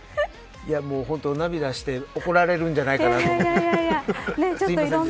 本当、涙して怒られるんじゃないかなと。